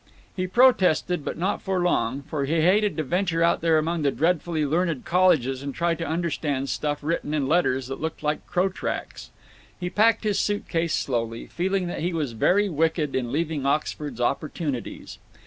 He protested, but not for long, for he hated to venture out there among the dreadfully learned colleges and try to understand stuff written in letters that look like crow tracks. He packed his suit case slowly, feeling that he was very wicked in leaving Oxford's opportunities.